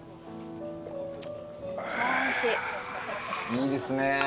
・いいですね。